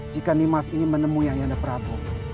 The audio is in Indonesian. jika nimas ini menemui ayah anda prabu